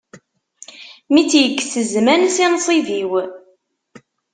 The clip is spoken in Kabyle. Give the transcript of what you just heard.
Mi tt-yekkes zzman si nṣib-iw.